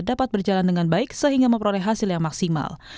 dapat berjalan dengan baik sehingga memperoleh hasil yang maksimal